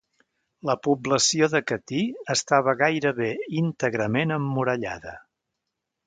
La població de Catí, estava gairebé íntegrament emmurallada.